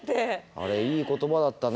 あれいい言葉だったね。